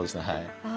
はい。